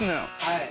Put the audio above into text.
はい。